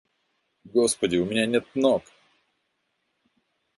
Господи, у меня нет ног.